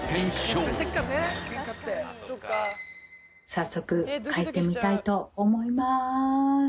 早速書いてみたいと思いまーす